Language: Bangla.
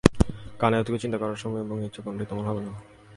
কারণ এতটুকু চিন্তা করার সময় এবং ইচ্ছা, কোনোটিই তোমার হবে না।